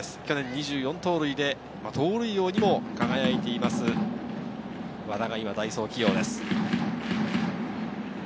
去年２４盗塁で盗塁王に輝いている和田が代走起用です。